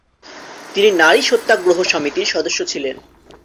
তিনি নারী সত্যাগ্রহ সমিতির সদস্য ছিলেন।